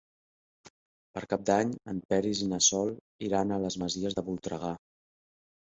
Per Cap d'Any en Peris i na Sol iran a les Masies de Voltregà.